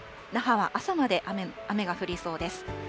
那覇は朝まで雨が降りそうです。